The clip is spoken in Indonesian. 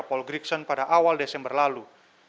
paul grickson pada awal desember lalu